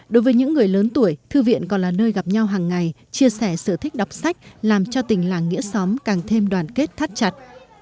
đối với những người lớn tuổi thư viện còn là nơi gặp nhau hàng ngày chia sẻ sở thích đọc sách làm cho tình làng nghĩa xóm càng thêm đoàn kết thắt chặt